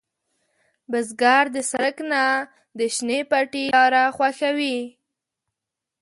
بزګر د سړک نه، د شنې پټي لاره خوښوي